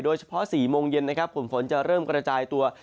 โดยเฉพาะ๔โมงเย็นกลุ่มฝนจะเริ่มกระจายตัว